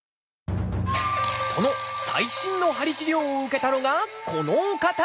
その最新の鍼治療を受けたのがこのお方！